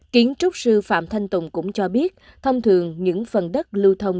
kiến trúc sư phạm thanh tùng cũng cho biết thông thường những phần đất lưu thông